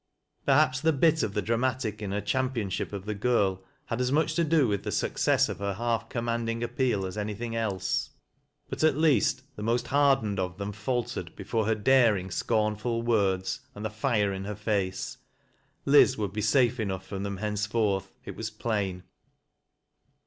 Perhaps the bit of the dramatic in her championship of the girl, had aa much to do with the success of her half commanding ap peal as anything else. But at least, the most hardened of them faltered before her daring, scornful words, and the fire in her face. Liz would be safe enough from them henceforth, it was plain.